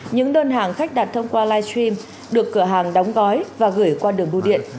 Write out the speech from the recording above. những đơn hàng khách đặt thông qua live stream được cửa hàng đóng gói và gửi qua đường bưu điện